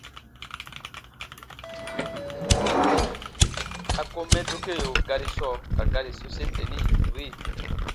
A kom mɛ dokeo gari sɔɔ ka gari sose teni: “-ri”.